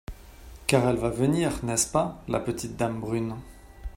Car elle va venir, n’est-ce pas, la petite dame brune ?